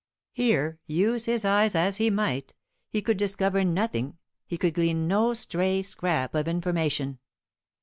Here, use his eyes as he might, he could discover nothing; he could glean no stray scrap of information.